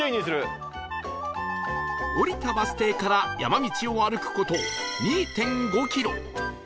降りたバス停から山道を歩く事 ２．５ キロ